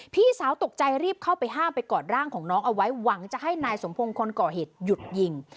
พี่สาวตกใจรีบเข้าไปห้ามไปกอดร่างของน้องเอาไว้หวังจะให้นายสมพงศ์คนก่อเหตุหยุดยิง